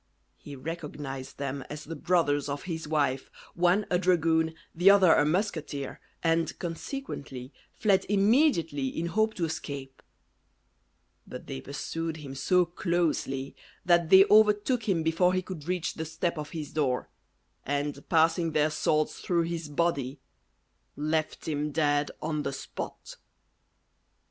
He recognised them as the brothers of his wife one a dragoon, the other a musqueteer, and, consequently, fled immediately, in hope to escape; but they pursued him so closely, that they overtook him before he could reach the step of his door, and, passing their swords through his body, left him dead on the spot.